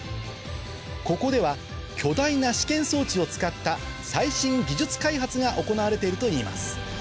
ここでは巨大な試験装置を使った最新技術開発が行われているといいます